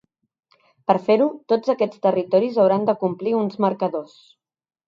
Per fer-ho, tots aquests territoris hauran de complir uns marcadors.